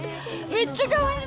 めっちゃかわいい！